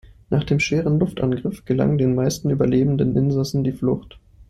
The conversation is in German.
Nach dem schweren Luftangriff gelang den meisten überlebenden Insassen die Flucht.